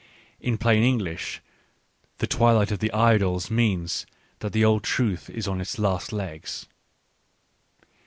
In plain English, The Twi light of the Idols means that the old truth is on its last legs.